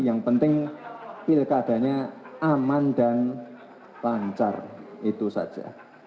yang penting pilkadanya aman dan lancar itu saja